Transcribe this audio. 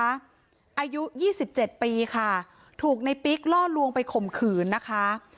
อายุ๒๗ปีค่ะถูกในปิ๊กล่อลวงไปข่มขืนนะคะ